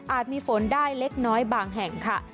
มีฝนได้เล็กน้อยบางแห่งค่ะ